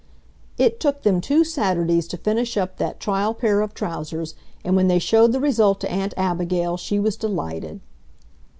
It took them two Saturdays to finish up that trial pair of trousers, and when they showed the result to Aunt Abigail she was delighted.